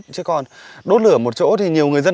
chứ còn đốt lửa một chỗ thì nhiều người dân